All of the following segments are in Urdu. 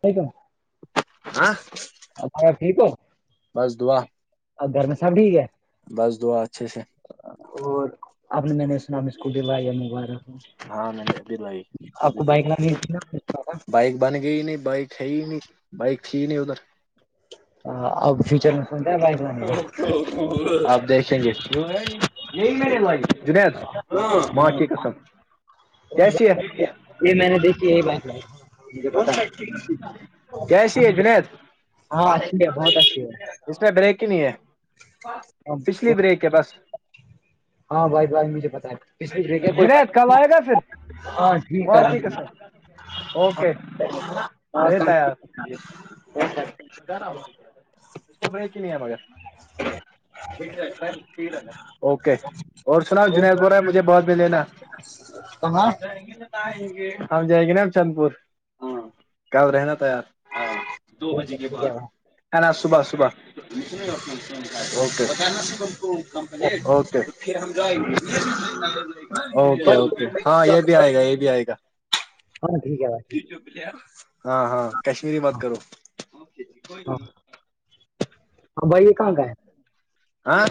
ٹھیکم آ آپ بس دعا اور گھر میں سب ٹھیک ہے بس دعا اچھے سے اور آپ نے میں نے سنا اس کو بھیویا مبارک ہاں میں نے ابھی لگائی آپ کو ابھی بائک لانی تھی نا بائک بن گئی نہیں بائک ہے ہی نہیں بائک ہی نہیں ادھر ہ ا [unintelligible] فیوچر میں کونتا ہے بائک ل م آپ دیکھیں گے یہی میں نے لائی جنید ہاں ماں کی قسم کیسی ہے یہ میں نے دیکھی یہی بک لائ کیسی ہے جنید ہاں اچھی ہے بہت اچھی اس میں بریک کی نہیں ہے پچھلی بریک ہے بس ہاں بھائی بھائی مجھے پت ہے پچھلی بریک ہے کوئی بات جنید کل آئے گا پھر ہاں ٹھیک ہے ماں ر کی قسم اوکے ہاں ک گا ہوتا پ نہیں ہے م ہ اوکے اور سنا جنید ب رہا ہے مجھے بہت م لینا یں گے ہم جائیں گے نا ہم چند پور کب رہنا تیار دو بجے کے بعد کہاں ہے نا صبح صبح کے اوکے پھر ہم اوکے اوکے ہاں یہ بھی آئے گا یہ بھی آئے گا ہاں ٹھیک ہے بھائی ہاں ہاں کشمیری بات کرو اوکے جی کوئی م ہاں ہاں بھائی یہ کہاں کا ہے ہاں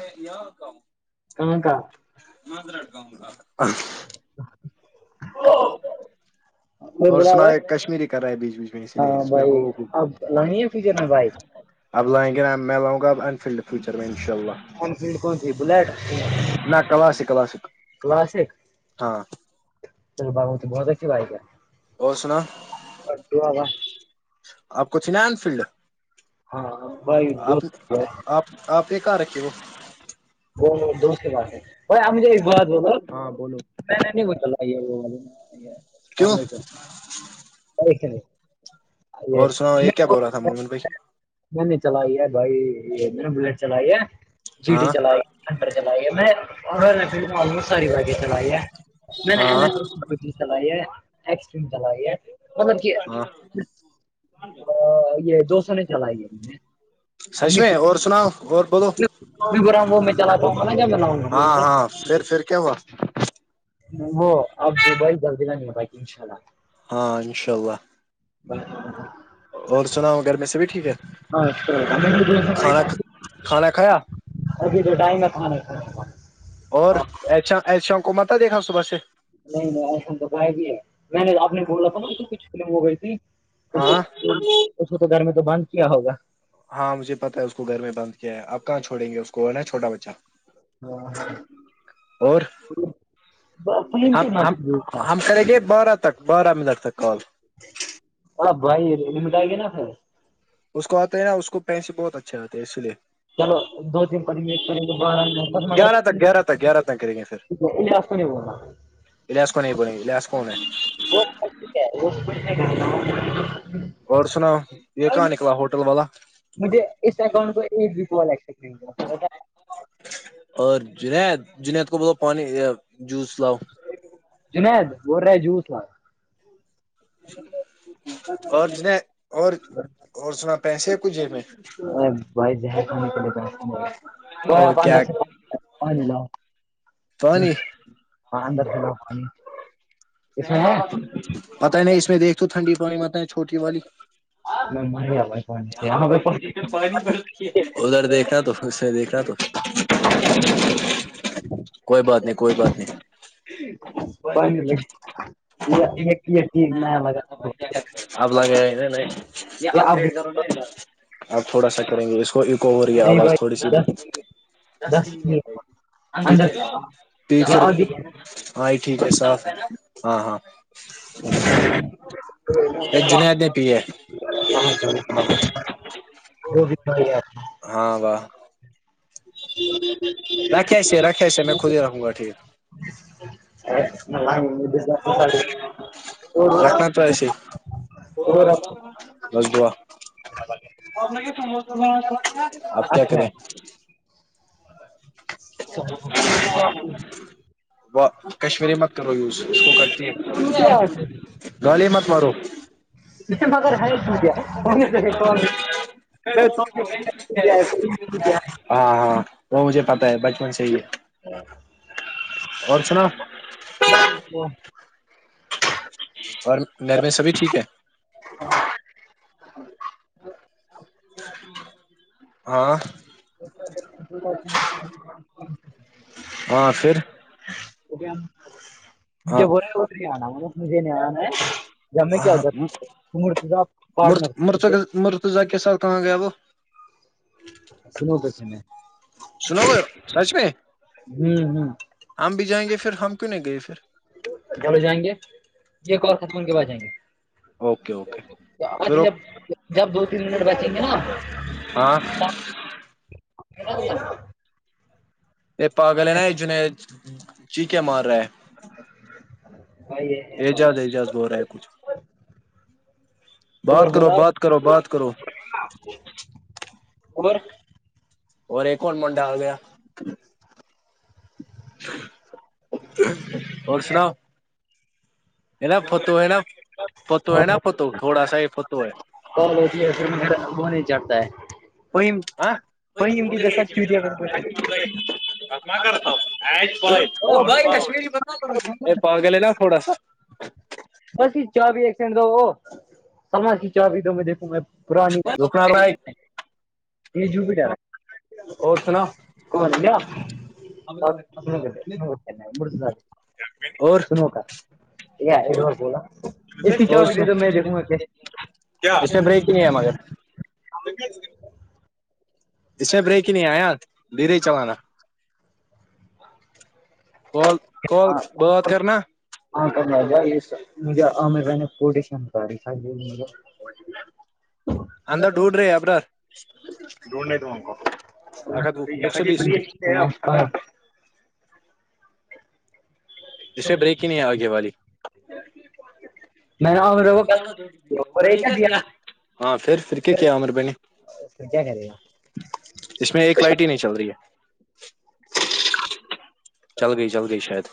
کہاں کا مذرڈ گاؤں گ ا اور سنا ہے کشمیری کر رہا ہے بیچ بیچ میں اسی لیے ہاں اس میں بھائی ہو ہو اب لانی ہے فیوچر میں بائک اب لائیں گے میں لاں گا ا انفیلڈ فچر میں ان شاء اللہ انفیلڈ کون سی بلیٹ نہ کلاسک کلاسک کلاسک ہاں چل باغوتی بہت اچھی بائک ہے اور سنا اٹو آ ب آپ کو چناین فیلڈ ہاں بھائی آپ دوست ہے، آپ آپ یہ کہاں رکھیے وہ وہ دوست کے باس ہے بھائی آپ مجھے ایک بات بولو ہاں بولو میں نے نہیں ب چ وہ کیوں اللام علیکم ایک نہیں اور سناؤ یہ کیا بول رہا تھا مہن بھائی میں نے چلائی ہے بھائی یہ میں نے بلیٹ چلائی ہے جی ٹی ہاں چلائی انر چلائی ہے میں رللڈ میں آلموٹ ساری وائکیں چلائی ہاں نے ک چلائی ہے ایکسٹم چلائی ہے مطلب کہ ہاں یہ دو سو نے چلائی ہے نے سچ میں اور سناؤ اور بولو چ میں نہؤں گا مے ہاں ہاں پھر پھر کیا واس وہ اب دبئی جلدی نہ نہیں ہو پائے گی انشاء اللہ ہاں انشاء اللہ [unintelligible] اور سنا ہو گھر میں سےب بھی ٹھیک ہے کھانا کھانا کھایا ہاںھی تو ٹائم کان اور ایشا ایشا کو مت دیکھا صبح سے نہیں نہیں ایسا تو بائی بھی ہے میں نے اپنے کو بولا تھا ن کچھ ف ہو گئی تھی اس ہاں اس کو تو گھر میں تو بند کیا ہوگا ہاں مجھے پتا ہے اس کو گھر میں بند کیا ہے آ کہاں چھوڑیں گے اس کو نا چوٹا بچہ ہاں اور ہم ہم ہم کریں گے بارہ تک بارہ منٹ تک کال ا بھائی ر مٹائی گیا نا پ اس کو آتے ہے نا اس کو پیس بہت اچھے آتے ہے اسی لیے چلو دو تین پانی ایک کریں گ بتا مگر گیارہ تک گیارہ تن کر رہیں ہیں سر ااست نہیں بولنا الاس کو نہیں پ لس کو نے [unintelligible] اور سناو یہ بھائی کہاں نکلا ہوٹل والا مجھے اس اکاؤنٹ کو ایک و اور جنید جنید کو بولو پانی جوس لاؤ جناد بولر ہے جو تھ اور جہ اور اور سنا پیسے ک جے میں بھائی زہر کھانے کے لیے پیسے نہیں او بھائی آپ کیا اندر سے پانی [unintelligible] اس میں ہے پت ہے نہیں اس میں دیکھ تو ٹھنڈی پانی مت ہے چھوٹی والی میں میا ادھر دیکھا تو پھر سے دیکھ تو کوئی بات نہیں کوئی بات نہیں [unintelligible] اب لگے نے یہ اپڈ کر آپ تھوڑا سا کریں گے اس کو کو رہ کی نہیں آواز بھائی تھوڑی سی ب دس دس پ اندر یہ پھر اور ہاں ہی ٹھیک ہے صاف ہے ہاں ہاں جنےد نہیں پیے [inaudible] وہ بھی ہاں واہ جی رکھے سےے رکھے سےے میں خود ہی رہوں گا ٹھیک [inaudible] رکھنا تو ایسے [unintelligible] بس دعا آپ کیا اچھا کریں و کشمیری مک کرو یوز اس کو کرتی ہے ٹوٹیا گالی مت مارو یہ مگر ہے تو کیا تو بھی ٹوٹیا ہاں ہاں وہ مجھے پتاہ ہے بچپن سے ہی اور سنا [inaudible] اور گھر میں سبھی ٹھیک ہے [unintelligible] ہاں [inaudible] ہاں پھر [inaudible] ہاں مجھے نہیںنا [inaudible] میں کیا ہودھر مورتی پارٹنر [inaudible] مرتزا کے سات کہاں گیا وہ [unintelligible] سنو گے سچ میں ہوں ہوں ہم بھی جائیں گے پھر ہم کیوں نہیں گئے پھر چلو جائیں گے یہ اور ختم کے بعد جائیں گے اوکے اوکے پھر جب جب دو تین منٹ بیھیں گے نا ہاں [inaudible] یہ پاگل ہے نا یہ جنید چیکھے مار رہا ہے بھائی یہ اجاز اجاز بول رہا ہے کچھ ج بات کرو بات کرو بات کرو عمر اور یہ کون منڈا آ گیا اور سناؤ نا فتو ہے نا فتو ہے نا فتو تھوڑا سا یہ فتو ہے کال ہوتی ہے پھر وہ نہیں چڑھتا ہے وہ ہے وہ ان کی دسا کی دیا [inaudible] [unintelligible] [unintelligible] یہ پا گل ہے نا تھوڑا سا ہو اسکی چابھی ایک سکنڈ دو وہ سمج اس کی چابھی دو مجھے اسکو میں پرانی [unintelligible] یہ جووپیٹر اور سناؤ [inaudible] [inaudible] سک سو مر ج اور سنکا [unintelligible] اور د سنا تو میں دیکھوں گا اس میں بریک ہی نہیں ہے مگر اس میں بریک ہی نہیں ہے آیان دھیرے چلانا کال کال ہاں بات کرنا ہاں مجھے عامر کوٹیشن کری تھاے اندر ڈھونڈ رہے ابرار اکت وہ ایک سو بیس [inaudible] [unintelligible] اس سے بریک ہی نہیں ہے آگے والی [unintelligible] کو اور یہ کیا دیا ہاں پھر پھر کیا کیا آمر بھائی نے تو کیا کرے گا اس میں ایک لائٹ ہی نہیں چل رہی ہے چل گئی چل گئی شاید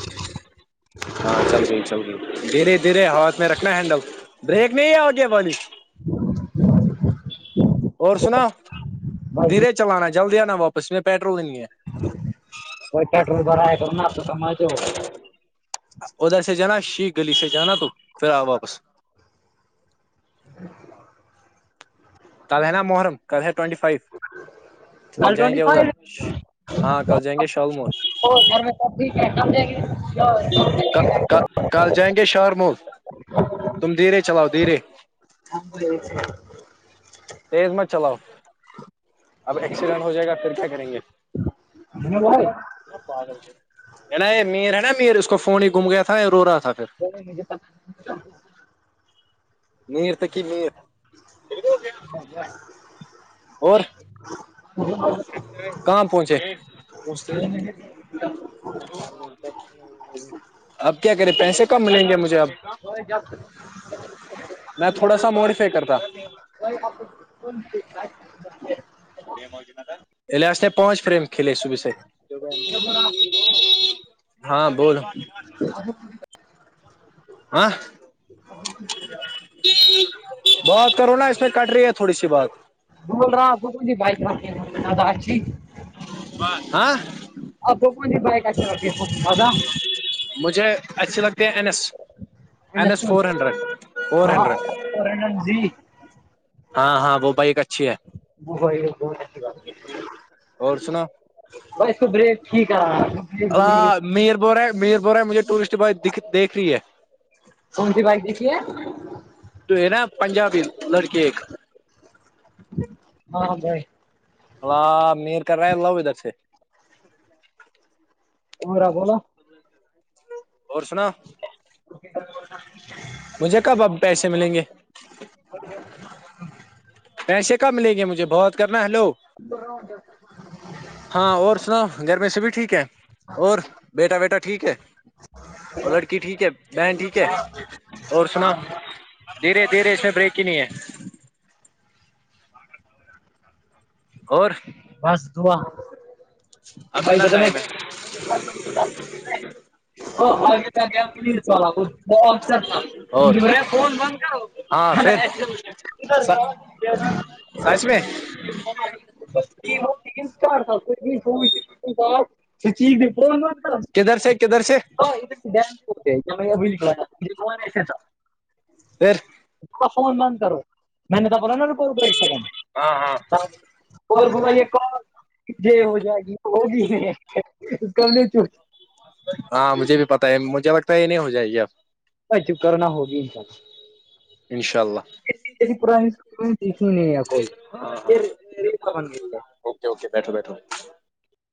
[unintelligible] ہاں چل گئی چل گئی دھیرے دھیرے ہاتھ میں رکھنا ہینڈل بریک نہیں ہے آگے والی [inaudible] اور سنا بس دھیرے چلانا جلدی آنا واپس میں پیٹرول ہی نہیں ہے کوئی پٹرول بھر ہے کروں نا آپ تو کم میں ج ادھر سے جانا شی گلی سے جانا تو پھر آ واپس [inaudible] کل ہے نا محرم کل ہے ٹوینٹی فائیو کل ون جائیں ٹوینٹی گے ادھر فائیو ہاں کل جائیں گے شال مور وہ گھر میں سبزی کم دیں گے کل جائیں گے شاہارمول تم دھییرے چلاؤ دھییرے تھن بول [unintelligible] تیز مت چلاؤ اب ایکسیڈینٹ ہو جائے گا پھر کیا کریں گے ج بول رہے [unintelligible] نا یہ میر ہے نا میر اس کو فون ہی گھم گیا تھا رو رہا تھا پھر [unintelligible] مںیر تکی مںیر [inaudible] اور [inaudible] کہاں پہنچے [unintelligible] اب کیا کرے پیسے کم ملیں گے مجھے اب [unintelligible] میں تھوڑا سا موڈیفائی کرتا ب آپ کون [unintelligible] الا سے پانچ فریم کھلے صبے سے رکھتی ہاں بول ہاں [inaudible] بات کرو نا اس میں کٹ رہی ہے تھوڑی سی بات بول رہا ہ گکل جی بھائی ب ہاں ا تو کو بیک بدا مجھے اچھی لگتے ہیں N S N S four hundred four hundred ن جضی ہاں ہاں وہ بائک اچھی ہے وہ بہت اچھی بات اور سنو ب اس کو بریک ٹھیک کران رہا ہاں میر بور ہے میر بور ہے مجھے ٹورسٹ بائی دیکھ رہی ہے دکھ لیا تو ہے نا پنجابی لڑکے ایک ہاں بھائی اللہ میر کر رہے ہیں ال لو ادھر سے [inaudible] اورمیرا بولو اور سنا [inaudible] مجھے کب اب پیسے ملیں گے [inaudible] پیسے کب ملیں گے مجھے بات کرنا ہیلو [inaudible] ہاں اور سناؤ گھر میں سے بھی ٹھیک ہے اور بیٹا بیٹا ٹھیک ہے اور لڑکی ٹھیک ہے بہن ٹھیک ہے اور سنا دھیرے دھیرے اس میں بریک ہی نہیں ہے [inaudible] اور بس دعا اب بھائی کتنا بتا میں ٹائم ہے [inaudible] اے پلیر تھاے فون بند کرو ہاں پھر سچ میں سچ میں س سچیز دو [inaudible] کدھر سے کدھر سے ابھی نکلا تھا پھر فون بند کرو میں نے تب بولا نہ رکو ادھر ایک سیکنڈ ہاں ہاں اور ب یہ ج ہو جائے گی ہوگی نہیں چ [inaudible] ہاں مجھے بھی پتا ہے مجھے لگتا ہے یہ نہیں ہو جائے گی اب اوے چپ کرو نا ہوگی انشاء اللہ انشاء اللہ جیسی پرانی اسکول میں دیکھی نہیں ہے کوئی ہاں ہاں یہ ریپا بن گئی ہے اوکے اوکے بیٹھو بیٹھو